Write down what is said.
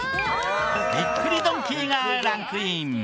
びっくりドンキーがランクイン。